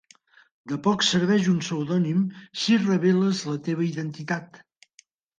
De poc serveix un pseudònim si reveles la teva identitat.